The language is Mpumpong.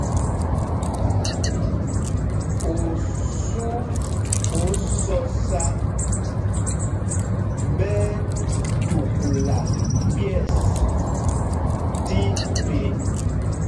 Osû ó sɔ̄sā ɓɛ́ ɛ́ tukla ɓyɛ̂ɛs tí phe.